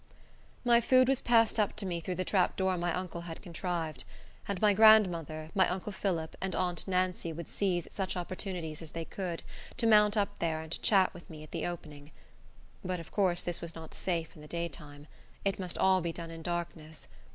My food was passed up to me through the trap door my uncle had contrived; and my grandmother, my uncle Phillip, and aunt Nancy would seize such opportunities as they could, to mount up there and chat with me at the opening. But of course this was not safe in the daytime. It must all be done in darkness.